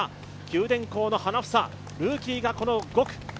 九電工の花房、ルーキーが、この５区。